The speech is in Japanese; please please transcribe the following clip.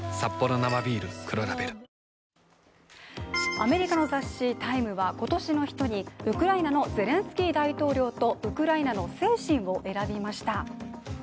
アメリカの雑誌「タイム」は今年の人に、ウクライナのゼレンスキー大統領とウクライナの精神を選びました。